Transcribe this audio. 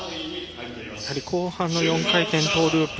後半の４回転トーループ。